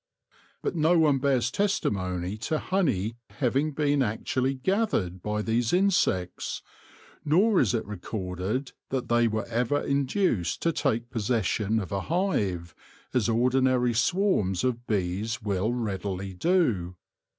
But no one bears testi mony to honey having been actually gathered by these insects, nor is it recorded that they were ever induced to take possession of a hive, as ordinary swarms of bees will readily do.